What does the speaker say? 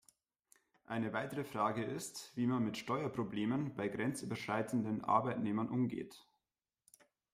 Eine weitere Frage ist, wie man mit Steuerproblemen bei grenzüberschreitenden Arbeitnehmern umgeht.